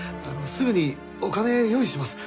すぐにお金用意します。